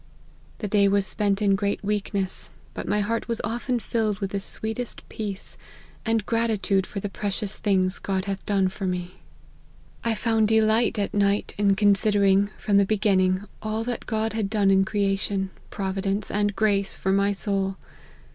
The day was spent in great weak ness, but my heart was often filled with the sweetest peace and gratitude for the precious things God hath done for me." LIFE OF HENRY MARTYN. Ill " I found delight at night in considering, from the beginning, all that God had done in ^creation, providence, and grace, for my soul.